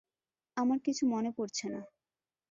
আমার কিছু মনে পরছে না।